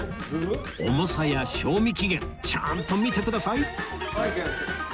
重さや賞味期限ちゃんと見てください